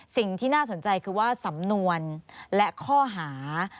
สิ่งที่น่าสนใจคือว่าสำนวนและข้อหา